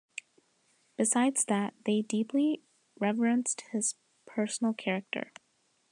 Besides that, they deeply reverenced his personal character.